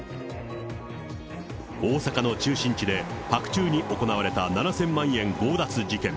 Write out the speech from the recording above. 大阪の中心地で白昼に行われた７０００万円強奪事件。